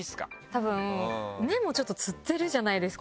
たぶん目もちょっとつってるじゃないですか。